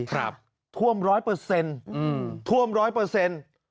ครับท่วมร้อยเปอร์เซ็นต์อืมท่วมร้อยเปอร์เซ็นต์